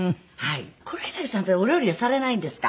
黒柳さんってお料理はされないんですか？